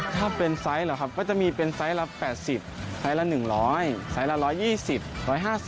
ถ้าเป็นไซส์เหรอครับก็จะมีเป็นไซส์ละ๘๐ไซส์ละ๑๐๐ไซส์ละ๑๒๐๑๕๐